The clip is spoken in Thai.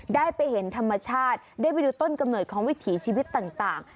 ได้ไปเห็นธรรมชาติได้ไปดูต้นกำเนิดของวิถีชีวิตต่าง